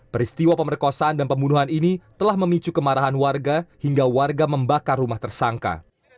peristiwa pemerkosaan dan pembunuhan ini telah memicu kemarahan warga hingga warga membakar rumah tersangka